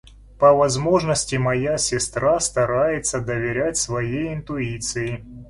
По возможности моя сестра старается доверять своей интуиции.